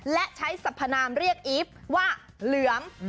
และใช้สัพพนามเรียกอีฟว่าเหลือง